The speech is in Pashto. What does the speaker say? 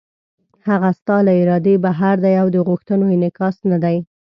هغه ستا له ارادې بهر دی او د غوښتنو انعکاس نه دی.